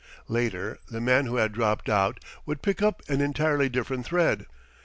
Later, the man who had dropped out would pick up an entirely different thread.